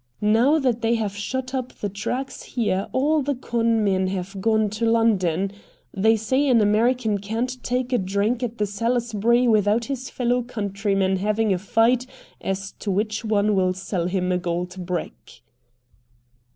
"Now that they have shut up the tracks here all the con men have gone to London. They say an American can't take a drink at the Salisbury without his fellow countrymen having a fight as to which one will sell him a gold brick."